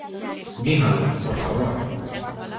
Dínolo, por favor.